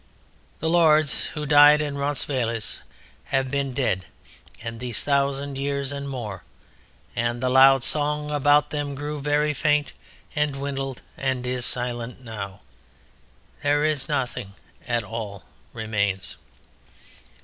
The Lords who died in Roncesvalles have been dead these thousand years and more, and the loud song about them grew very faint and dwindled and is silent now: there is nothing at all remains.